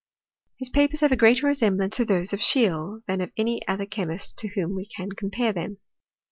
His papers have a greater resemblance to those of Scheele than of any other chemist to whom we can compare them.